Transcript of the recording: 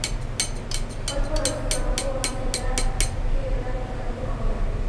Hoy por hoy su trabajo va más allá que el dar únicamente comida.